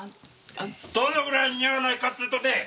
どのぐらい似合わないかっていうとね